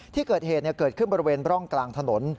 ที่เกิดเหตุเกิดขึ้นบริเวณร่องกลางถนน